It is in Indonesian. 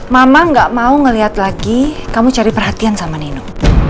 mama gak mau ngeliat lagi kamu cari perhatian sama nino